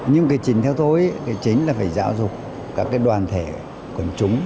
nhưng cái chính theo tôi cái chính là phải giáo dục các đoàn thể của chúng